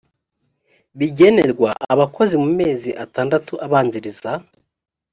bigenerwa abakozi mu mezi atandatu abanziriza